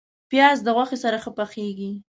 پیاز د غوښې سره ښه پخیږي